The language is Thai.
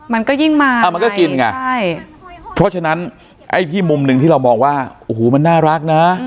มันก็ยิ่งมามันก็กินไงใช่เพราะฉะนั้นไอ้ที่มุมหนึ่งที่เรามองว่าโอ้โหมันน่ารักนะ